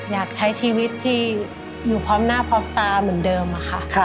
อยากใช้ชีวิตที่อยู่พร้อมหน้าพร้อมตาเหมือนเดิมค่ะ